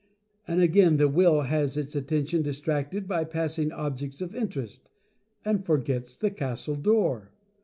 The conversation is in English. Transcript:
And, again, the Will has its Attention distracted by passing objects of interest, and forgets the Castle Door.